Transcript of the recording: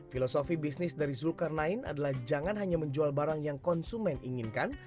filosofi bisnis dari zulkarnain adalah jangan hanya menjual barang yang konsumen inginkan